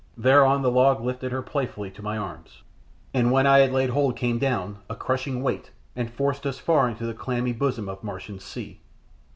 Thereon the log lifted her playfully to my arms, and when I had laid hold came down, a crushing weight, and forced us far into the clammy bosom of Martian sea.